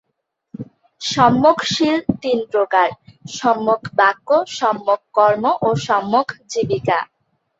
সম্যক শীল তিন প্রকার- সম্যক বাক্য, সম্যক কর্ম ও সম্যক জীবিকা।